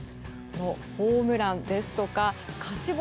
ホームランですとか勝ち星。